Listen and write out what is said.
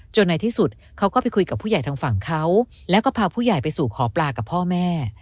ในที่สุดเขาก็ไปคุยกับผู้ใหญ่ทางฝั่งเขาแล้วก็พาผู้ใหญ่ไปสู่ขอปลากับพ่อแม่